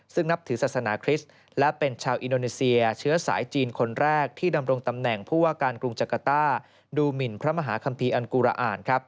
ซึ่งนับถือศาสนาคริสต์และเป็นชาวอินโดนีเซียเชื้อสายจีนคนแรกที่ดำรงตำแหน่งผู้ว่าการกรุงจักรต้าดูหมินพระมหาคัมภีร์อันกูระอ่าน